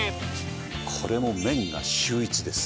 これも麺が秀逸です